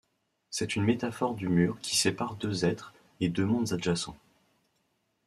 C’est une métaphore du mur qui sépare deux êtres et deux mondes adjacents.